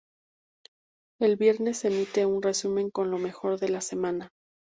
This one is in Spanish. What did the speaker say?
El viernes se emite un resumen con lo mejor de la semana.